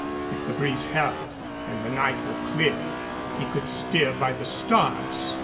If the breeze held and the night were clear, he could steer by the stars.